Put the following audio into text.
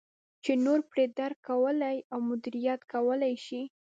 چې نور پرې درک کولای او مدیریت کولای شي.